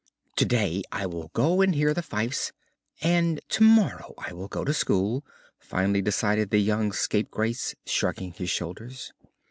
"Today I will go and hear the fifes, and tomorrow I will go to school," finally decided the young scapegrace, shrugging his shoulders.